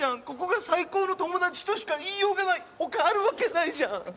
ここが最高の友達としか言いようがない他あるわけないじゃん